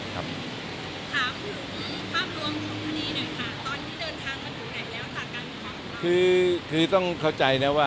ถามภาพรวมของคณะนี้นะคะตอนที่เดินทางมันอยู่ไหนแล้วค่ะ